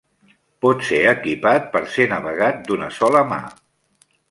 Pot ser equipat per ser navegat d'una sola mà.